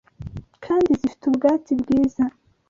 kandi zifite ubwatsi bwiza.